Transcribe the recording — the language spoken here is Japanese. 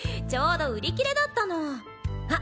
ちょうど売り切れだったの。